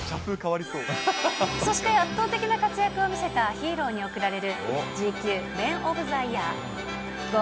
そして圧倒的な活躍を見せたヒーローに贈られるＧＱメン・オブ・ザ・いやー。